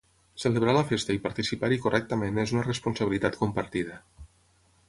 Celebrar la festa i participar-hi correctament és una responsabilitat compartida.